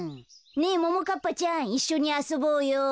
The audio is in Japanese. ねえももかっぱちゃんいっしょにあそぼうよ。